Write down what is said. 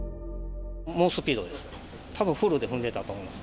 猛スピードです。